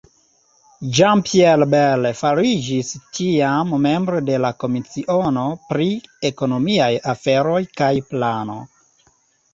Jean-Pierre Bel fariĝis tiam membro de la komisiono pri ekonomiaj aferoj kaj plano.